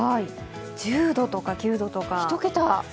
１０度とか９度とか。